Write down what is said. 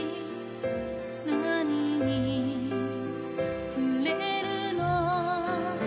何に触れるの？